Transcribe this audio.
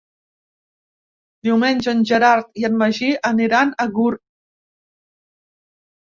Diumenge en Gerard i en Magí aniran a Gurb.